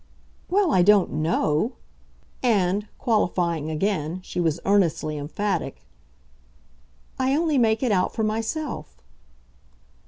"Well, I don't KNOW" and, qualifying again, she was earnestly emphatic. "I only make it out for myself."